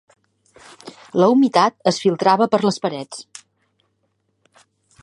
La humitat es filtrava per les parets.